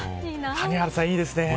谷原さんいいですね。